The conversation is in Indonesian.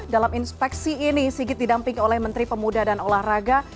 dalam inspeksi ini sigit didampingi oleh menteri pemuda dan olahraga